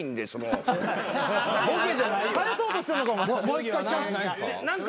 もう１回チャンスないんですか？